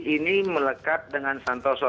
ini melekat dengan santoso